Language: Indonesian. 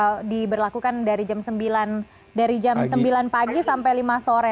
mereka mengatakan bahwa aktivitas warga sudah diberlakukan dari jam sembilan pagi sampai lima sore